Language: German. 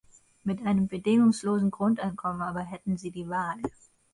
Mit einem bedingungslosen Grundeinkommen aber hätten sie die Wahl.